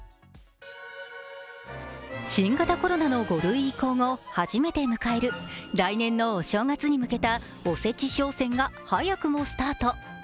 新型コロナの５類移行後、初めて迎える来年のお正月に向けたおせち商戦が早くもスタート。